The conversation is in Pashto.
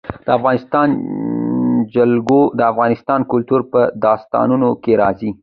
د افغانستان جلکو د افغان کلتور په داستانونو کې راځي.